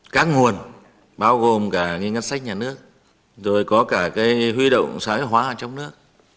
các nguồn bao gồm cả cái ngân sách nhà nước rồi có cả cái huy động xã hội hóa trong nước